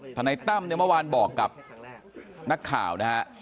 ธนายตั้มเมื่อวานบอกกับนักข่าวนะครับ